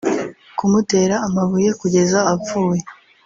kumutera amabuye kugeza apfuye